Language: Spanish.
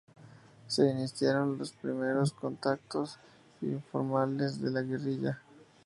Se iniciaron los primeros contactos informales con la guerrilla.